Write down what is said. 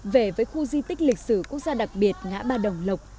về với khu di tích lịch sử quốc gia đặc biệt ngã ba đồng lộc